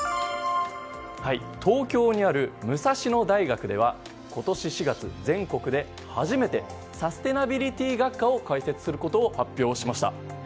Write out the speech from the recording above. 東京にある武蔵野大学では今年４月全国で初めてサステナビリティ学科を開設することを発表しました。